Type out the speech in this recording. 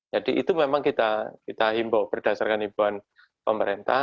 jadi itu memang kita himbaw berdasarkan himbawan pemerintah